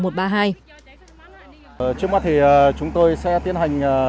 trước mắt thì chúng tôi sẽ tiến hành